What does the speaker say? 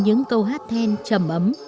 những câu hát then chầm ấm